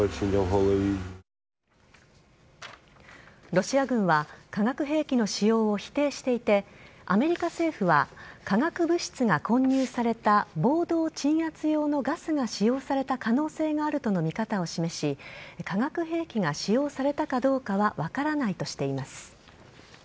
ロシア軍は化学兵器の使用を否定していてアメリカ政府は化学物質が混入された暴動鎮圧用のガスが使用された可能性があるとの見方を示し化学兵器が使用されたかどうかは分からないとしています。